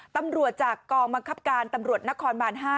ตำรวจจากกองบังคับการตำรวจนครบาน๕